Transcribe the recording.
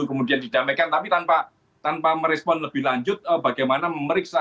itu kemudian didamaikan tapi tanpa merespon lebih lanjut bagaimana memeriksa